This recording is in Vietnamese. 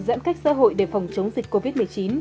giãn cách xã hội để phòng chống dịch covid một mươi chín